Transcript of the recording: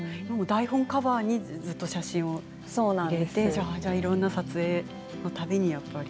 台本カバーにずっと写真を入れていろんな撮影の度に、やっぱり。